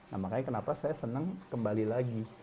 nah makanya kenapa saya senang kembali lagi